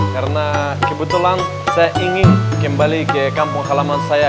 karena kebetulan saya ingin kembali ke kampung halaman saya